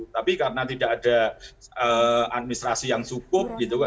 tapi karena tidak ada administrasi yang cukup gitu